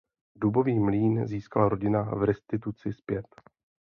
Dubový mlýn získala rodina v restituci zpět.